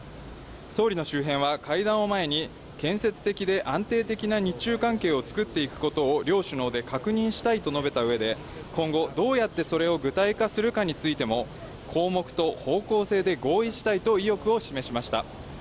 総理の周辺は、会談を前に、建設的で安定的な日中関係を作っていくことを、両首脳で確認したいと述べたうえで、今後、どうやってそれを具体化するかについても、項目と方向性で合意したいと意欲を示しました。